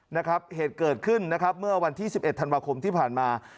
นะครับเหตุเกิดขึ้นนะครับเมื่อวันที่๑๑ธันวาคมที่ผ่านมา